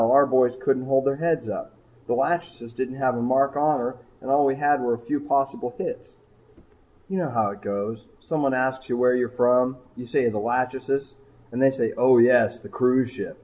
Our boys couldn't hold their heads up. The 'Lachesis' didn't have a mark on her and all we had was a few possible hits. You know how it goes someone asks where you're from. You say the 'Lachesis' and they say 'Oh, yes, the cruise ship.'